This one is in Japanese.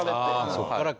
そこからか。